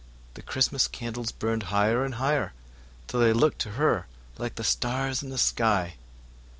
The Christmas lights rose higher and higher, till they looked to her like the stars in the sky.